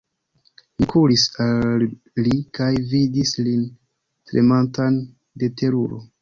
Mi kuris al li kaj vidis lin tremantan de teruro.